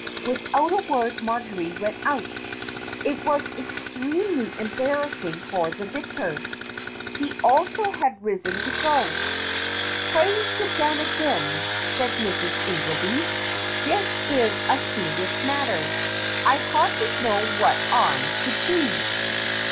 Without a word Marjory went out. It was ex tremely embarrassing for the vicar. He also had risen to go. "Pray sit down again," said Mrs. Ingelby. "This is a serious matter. I hardly know what I should do."